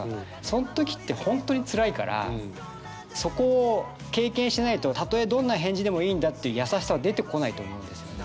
そん時って本当につらいからそこを経験しないと「たとえどんな返事でもいいんだ」っていう優しさは出てこないと思うんですよね。